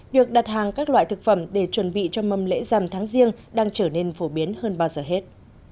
việc đặt hàng các loại thực phẩm để chuẩn bị cho mâm lễ dằm tháng riêng đang trở nên phổ biến hơn bao giờ hết